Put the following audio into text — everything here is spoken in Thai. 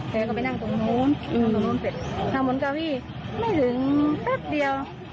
แกก็ไปนั่งตรงนู้นนั่งตรงนู้นสิ